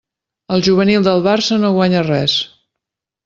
El juvenil del Barça no guanya res.